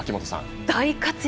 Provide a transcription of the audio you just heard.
大活躍！